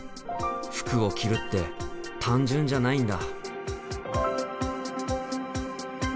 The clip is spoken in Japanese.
服を着るって単純じゃないんだ。